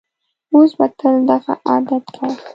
اوس به تل دغه عادت کوم.